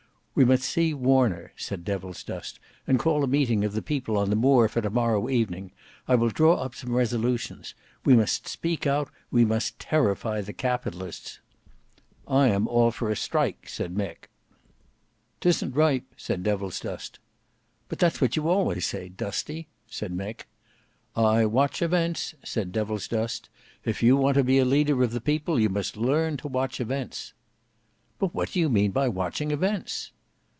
"We must see Warner." said Devilsdust, "and call a meeting of the people on the Moor for to morrow evening. I will draw up some resolutions. We must speak out; we must terrify the Capitalists." "I am all for a strike," said Mick. "'Tisn't ripe," said Devilsdust. "But that's what you always say, Dusty," said Mick. "I watch events," said Devilsdust. "If you want to be a leader of the people you must learn to watch events." "But what do you mean by watching events?"